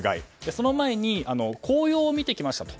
その前に紅葉を見てきましたと。